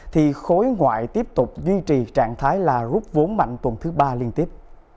thì khối ngoại tiếp tục duy trì trạng thái là rút vốn mạnh tuần thứ ba liên tiếp